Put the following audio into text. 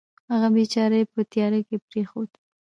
هغه بېچاره یې په تیارې کې پرېښود.